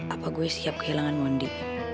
apa gue siap kehilangan mondi